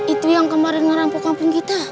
itu yang kemarin merampung kampung kita